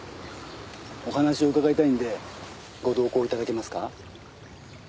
お話を伺いたいのでご同行頂けますか？